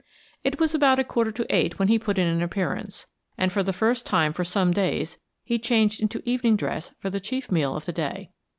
It was about a quarter to eight when he put in an appearance, and for the first time for some days he changed into evening dress for the chief meal of the day.